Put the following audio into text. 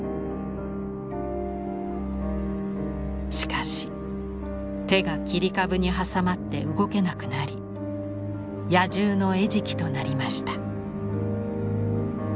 しかし手が切り株に挟まって動けなくなり野獣の餌食となりました。